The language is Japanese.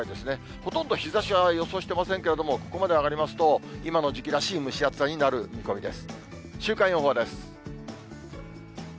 ほとんど日ざしは予想してませんけれども、ここまで上がりますと、今の時期らしい蒸し暑さになる見込みです。